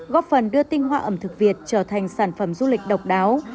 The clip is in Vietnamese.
góp phần đưa tinh hoa ẩm thực việt trở thành sản phẩm du lịch độc đáo